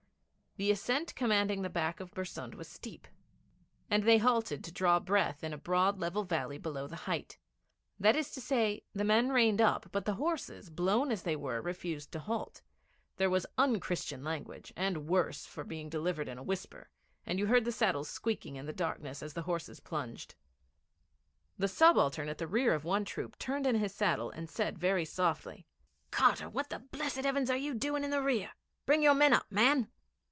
The ascent commanding the back of Bersund was steep, and they halted to draw breath in a broad level valley below the height. That is to say, the men reined up, but the horses, blown as they were, refused to halt. There was unchristian language, the worse for being delivered in a whisper, and you heard the saddles squeaking in the darkness as the horses plunged. The subaltern at the rear of one troop turned in his saddle and said very softly: 'Carter, what the blessed heavens are you doing at the rear? Bring your men up, man.'